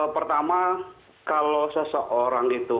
pertama kalau seseorang itu